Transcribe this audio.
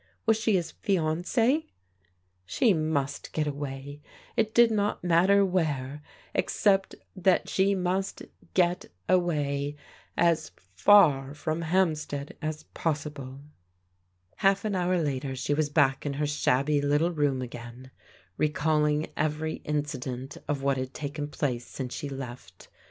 Was she his fiancief She niust get away! It did not matter where, except that she mtist get away, as far from Hampstead as possible. Half an hour later she was back in her shabby little room again, recalling every incident of what had taken place since she left.